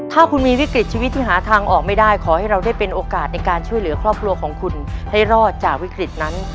ถ้าคุณมีวิกฤตชีวิตที่หาทางออกไม่ได้ขอให้เราได้เป็นโอกาสในการช่วยเหลือครอบครัวของคุณให้รอดจากวิกฤตนั้น